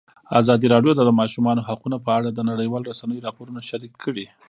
ازادي راډیو د د ماشومانو حقونه په اړه د نړیوالو رسنیو راپورونه شریک کړي.